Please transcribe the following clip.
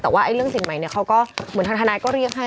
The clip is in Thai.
แต่ว่าเรื่องสิ่งใหม่เขาก็เหมือนธนาคารก็เรียกให้